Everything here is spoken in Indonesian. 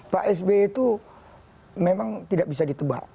pak sby itu memang tidak bisa ditebak